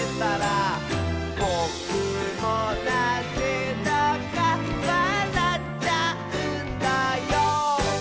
「ぼくもなぜだかわらっちゃうんだよ」